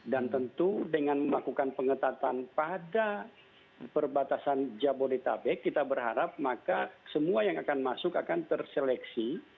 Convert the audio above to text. tentu dengan melakukan pengetatan pada perbatasan jabodetabek kita berharap maka semua yang akan masuk akan terseleksi